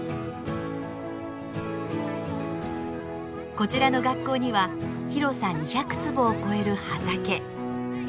こちらの学校には広さ２００坪を超える畑。